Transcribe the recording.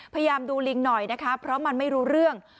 พยายามดูลิงหน่อยนะคะเพราะมันไม่รู้เรื่อง